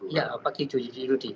ya pagi tujuh juli